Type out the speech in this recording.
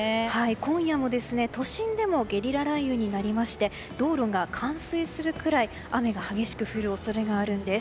今夜も都心でもゲリラ雷雨になりまして道路が冠水するくらい雨が激しく降る恐れがあるんです。